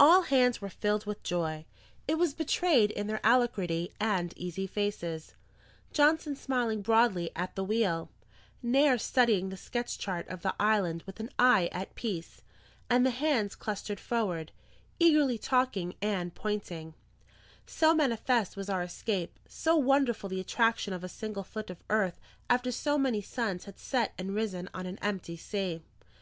All hands were filled with joy. It was betrayed in their alacrity and easy faces: Johnson smiling broadly at the wheel, Nares studying the sketch chart of the island with an eye at peace, and the hands clustered forward, eagerly talking and pointing: so manifest was our escape, so wonderful the attraction of a single foot of earth after so many suns had set and risen on an empty sea.